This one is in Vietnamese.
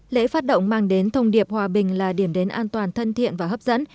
lễ phát động mang đến thông điệp hòa bình là điểm đến an toàn thân thiện và hấp dẫn